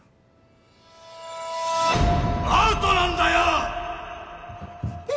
アウトなんだよ！！